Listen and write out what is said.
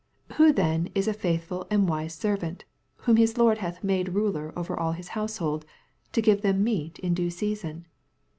45 Who then is a faithfhl and wise servant, whom his lord bath made ruler over his househcld, to give them meat in due season